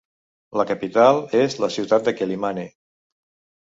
La capital és la ciutat de Quelimane.